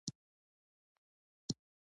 مجاهد د تاریخ نه هېرېدونکی نوم لري.